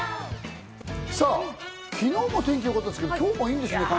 昨日も天気よかったですけど、今日もいいんですね。